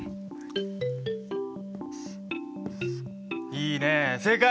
いいねえ正解！